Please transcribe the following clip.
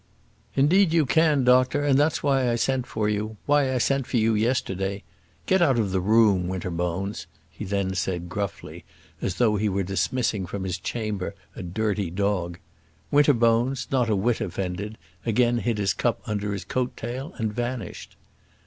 "Indeed you can, doctor; and that's why I sent for you, why I sent for you yesterday. Get out of the room, Winterbones," he then said, gruffly, as though he were dismissing from his chamber a dirty dog. Winterbones, not a whit offended, again hid his cup under his coat tail and vanished.